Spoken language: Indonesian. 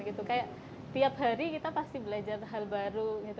kayak tiap hari kita pasti belajar hal baru gitu